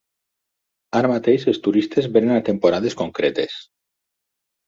Ara mateix els turistes venen a temporades concretes.